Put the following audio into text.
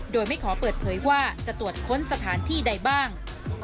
โดยไม่ขอเปิดเผยว่าจะตรวจค้นสถานที่ใดบ้าง